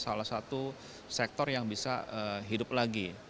salah satu sektor yang bisa hidup lagi